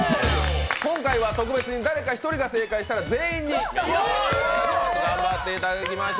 今回は特別に誰か１人が正解したら全員に食べていただきます。